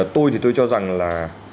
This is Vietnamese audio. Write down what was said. tôi thì tôi cho rằng là